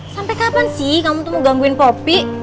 sampai kapan sih kamu tuh mau gangguin kopi